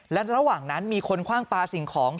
และระหว่างนั้นมีคนคว่างปลาสิ่งของ